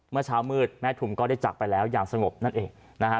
เมื่อเช้ามืดแม่ทุมก็ได้จากไปแล้วอย่างสงบนั่นเองนะฮะ